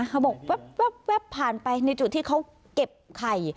เขาบอกแว๊บผ่านไปในจุดที่เขาเก็บไข่